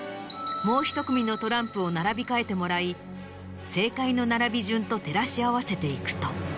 もう１組のトランプを並び替えてもらい正解の並び順と照らし合わせていくと。